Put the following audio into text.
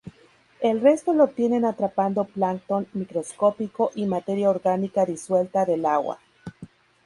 El resto lo obtienen atrapando plancton microscópico y materia orgánica disuelta del agua.